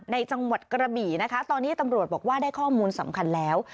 ในจังหวัดกระบี่นะคะตอนนี้ตำรวจบอกว่าได้ข้อมูลสำคัญแล้ว